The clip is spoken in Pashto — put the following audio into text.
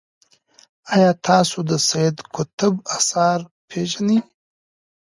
ایا تاسو د سید قطب اثار پیژنئ؟